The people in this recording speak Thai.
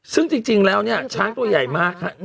ซึ่งจริงแล้วเนี่ยช้างตัวใหญ่มากครับ